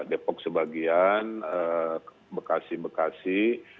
depok sebagian bekasi bekasi